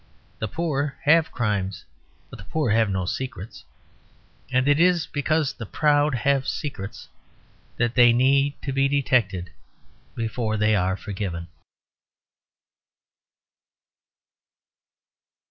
The poor have crimes; but the poor have no secrets. And it is because the proud have secrets that they need to be detected before they are forgiven.